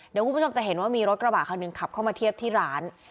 เดี๋ยวคุณผู้ชมจะเห็นว่ามีรถกระบะคันหนึ่งขับเข้ามาเทียบที่ร้าน